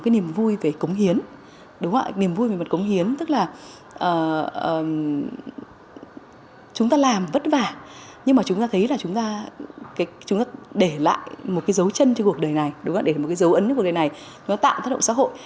nhưng mà chúng ta thấy là chúng ta để lại một cái dấu chân cho cuộc đời này để một cái dấu ấn cho cuộc đời này nó tạo tác động xã hội